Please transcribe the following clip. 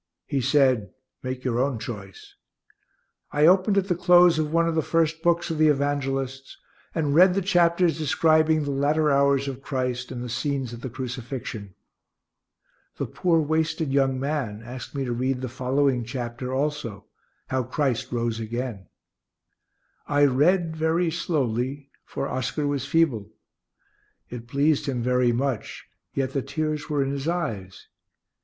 He said, "Make your own choice." I opened at the close of one of the first books of the Evangelists, and read the chapters describing the latter hours of Christ and the scenes at the crucifixion. The poor wasted young man asked me to read the following chapter also, how Christ rose again. I read very slowly, for Oscar was feeble. It pleased him very much, yet the tears were in his eyes.